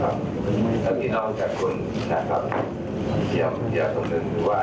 และที่นอกจากคุณนะครับอย่าคงนึกว่า